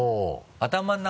頭の中？